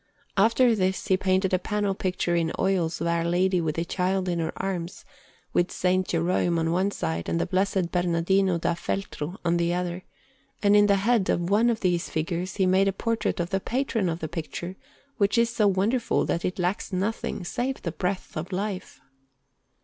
After this he painted a panel picture in oils of Our Lady with the Child in her arms, with S. Jerome on one side and the Blessed Bernardino da Feltro on the other, and in the head of one of these figures he made a portrait of the patron of the picture, which is so wonderful that it lacks nothing save the breath of life.